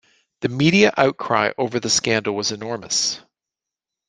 The media outcry over the scandal was enormous.